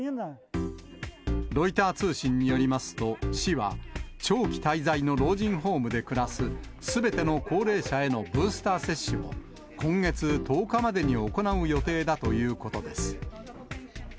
ロイター通信によりますと、市は、長期滞在の老人ホームで暮らすすべての高齢者へのブースター接種を今月１０日までに行う予定だということです。